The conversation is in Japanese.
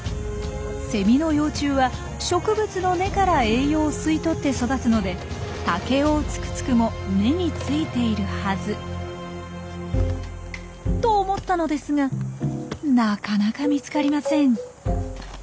セミの幼虫は植物の根から栄養を吸い取って育つのでタケオオツクツクも根についているはず。と思ったのですがなかなか見つかりません。